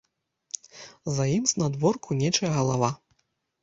За ім, знадворку, нечая галава.